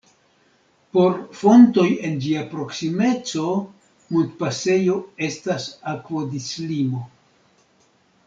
Por fontoj en ĝia proksimeco montpasejo estas akvodislimo.